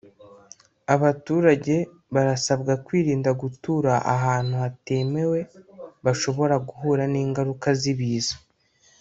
Abaturage barasabwa kwirinda gutura ahantu hatemewe bashobora guhura n’ingaruka z’ibiza